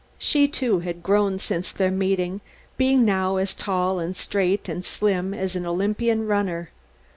She, too, had grown since their meeting, being now as tall and straight and slim as an Olympian runner.